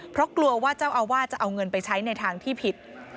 เพราะกลัวว่าเจ้าอาวาสจะเอาเงินไปใช้ในทางที่ผิด